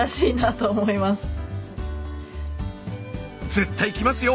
絶対来ますよ